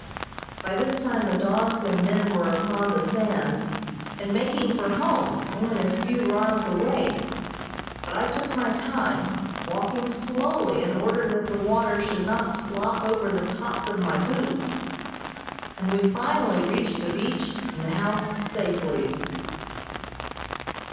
By this time the dogs and men were upon the sands, and making for home, only a few rods away, but I took my time, walking slowly in order that the water should not slop over the tops of my boots, and we finally reached the beach and the house safely.